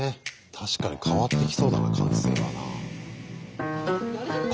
確かに変わってきそうだな完成はな。